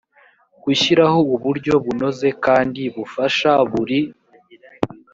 gushyiraho uburyo bunoze kandi bufasha buri